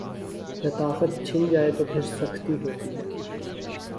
لطافت چھن جائے تو پھر سختی ہے۔